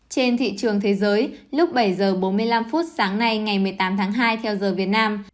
trên thị trường thế giới lúc bảy h bốn mươi năm phút sáng nay ngày một mươi tám tháng hai theo giờ việt nam